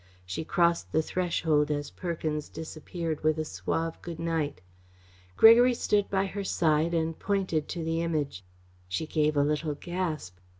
She crossed the threshold as Perkins disappeared with a suave good night. Gregory stood by her side and pointed to the Image. She gave a little gasp.